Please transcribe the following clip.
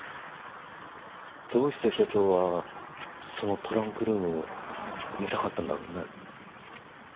どうして署長はそのトランクルームを見たかったんだろうね？